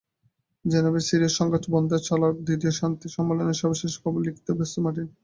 জেনেভায় সিরীয় সংঘাত বন্ধে চলা দ্বিতীয় শান্তি সম্মেলনের সর্বশেষ খবর লিখতে ব্যস্ত মার্টিন।